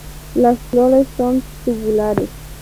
Las flores son tubulares.